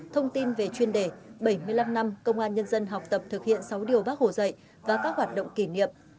thông tin về chuyên đề bảy mươi năm năm công an nhân dân học tập thực hiện sáu điều bác hồ dạy và các hoạt động kỷ niệm